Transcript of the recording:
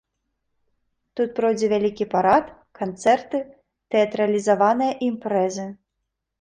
Тут пройдзе вялікі парад, канцэрты, тэатралізаваныя імпрэзы.